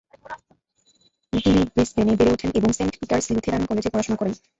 তিনি ব্রিসবেনে বেড়ে ওঠেন এবং সেন্ট পিটার্স লুথেরান কলেজে পড়াশোনা করেন।